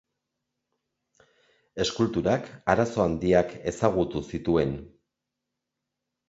Eskulturak arazo handiak ezagutu zituen.